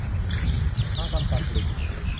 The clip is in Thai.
อุตสาหกรรมการผลิต